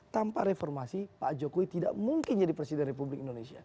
tanpa reformasi pak jokowi tidak mungkin jadi presiden republik indonesia